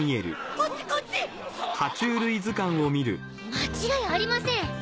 間違いありません！